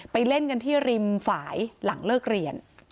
เล่นกันที่ริมฝ่ายหลังเลิกเรียน